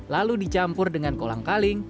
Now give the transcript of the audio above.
lalu dicampur dengan kolang kaling